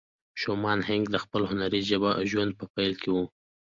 شومان هينک د خپل هنري ژوند په پيل کې وه.